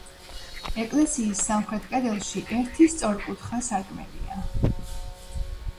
ეკლესიის სამხრეთ კედელში ერთი სწორკუთხა სარკმელია.